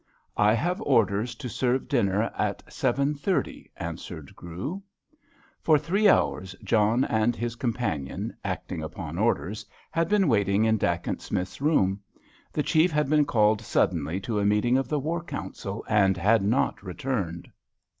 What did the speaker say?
"I have orders to serve dinner at 7.30," answered Grew. For three hours John and his companion, acting upon orders, had been waiting in Dacent Smith's room. The Chief had been called suddenly to a meeting of the War Council, and had not returned.